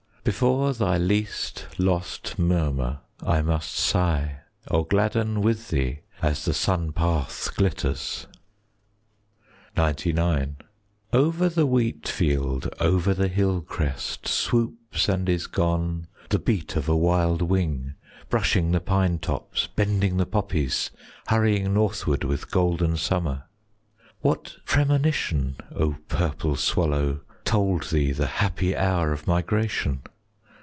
Before thy least lost murmur I must sigh, 5 Or gladden with thee as the sun path glitters. XCIX Over the wheat field, Over the hill crest, Swoops and is gone The beat of a wild wing, Brushing the pine tops, 5 Bending the poppies, Hurrying Northward With golden summer. What premonition, O purple swallow, 10 Told thee the happy Hour of migration?